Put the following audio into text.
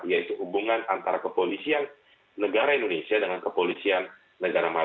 yaitu hubungan antara kepolisian negara indonesia dengan kepolisian negara maju